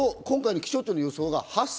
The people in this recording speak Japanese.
気象庁の予想